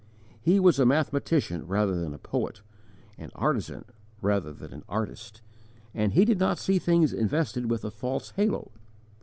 He was a mathematician rather than a poet, an artisan rather than an artist, and he did not see things invested with a false halo.